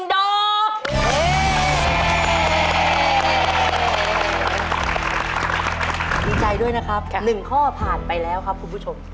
ดีใจด้วยนะครับ๑ข้อผ่านไปแล้วครับคุณผู้ชม